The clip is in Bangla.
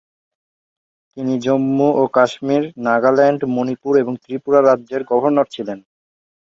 তিনি জম্মু ও কাশ্মীর, নাগাল্যান্ড, মণিপুর এবং ত্রিপুরা রাজ্যের গভর্নর ছিলেন।